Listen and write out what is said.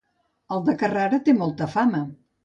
El de Carrara té molt fama.